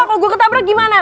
kalau gue ketabrak gimana